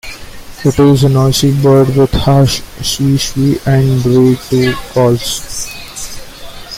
It is a noisy bird, with harsh "swee-swee" and "dreee-too" calls.